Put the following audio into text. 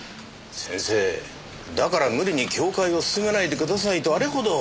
先生だから無理に教誨を勧めないでくださいとあれほど。